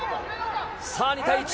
さあ、２対１。